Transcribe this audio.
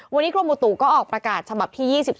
วันนี้กรมอุตุก็ออกประกาศฉบับที่๒๒